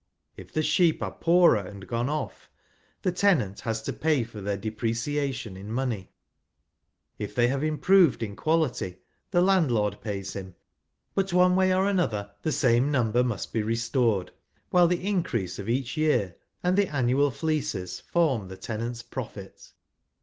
If the sheep are pooi*er, and gone off, the tenant has to pay for their depreciation in money ; if they have improved in quality, the landlord pays him ; but one way or another the same number must be restored, while the increase of each year, and the annual fleeces form the tenant's profit.